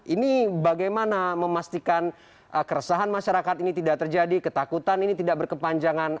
ini bagaimana memastikan keresahan masyarakat ini tidak terjadi ketakutan ini tidak berkepanjangan